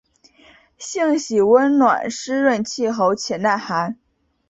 性喜温暖润湿气候且耐寒。